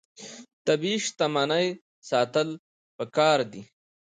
طبیعي شتمنۍ ساتل پکار دي.